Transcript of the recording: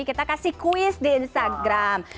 kita kasih quiz di instagram